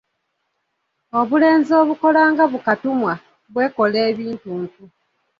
Obulenzi obukola nga bu katumwa bwekola ebintuntu.